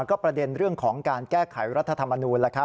ก็ประเด็นเรื่องของการแก้ไขรัฐธรรมนูล